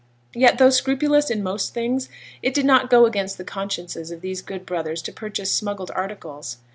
Yet, though scrupulous in most things, it did not go against the consciences of these good brothers to purchase smuggled articles.